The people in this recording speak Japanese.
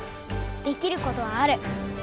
できることはある。